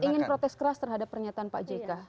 saya ingin protes keras terhadap pernyataan pak jk